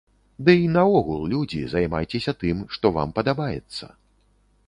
Дый наогул, людзі, займайцеся тым, што вам падабаецца.